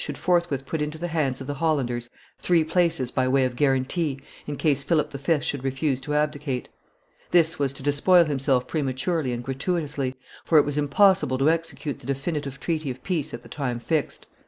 should forthwith put into the hands of the Hollanders three places by way of guarantee, in case Philip V. should refuse to abdicate. This was to despoil himself prematurely and gratuitously, for it was impossible to execute the definitive treaty of peace at the time fixed.